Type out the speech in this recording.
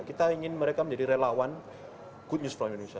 kita ingin mereka menjadi relawan good news from indonesia